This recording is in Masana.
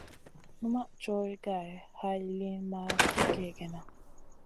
Numaʼ coyh ga hay liyn ma sli kègèna.